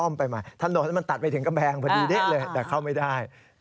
ไปมาถนนมันตัดไปถึงกำแพงพอดีเด๊ะเลยแต่เข้าไม่ได้